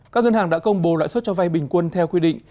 các ngân hàng đã công bố lãi suất cho vay bình quân theo quy định